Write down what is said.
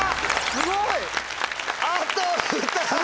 すごい！